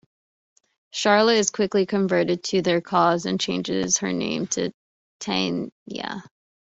Charlotte is quickly converted to their cause and changes her name to Tanya.